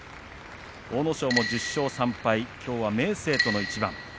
阿武咲も１０勝３敗きょうは明生との一番。